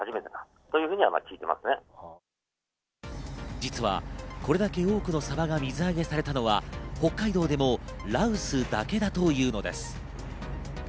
実はこれだけ多くのサバが水揚げされたのは、北海道でも羅臼だけだというのです。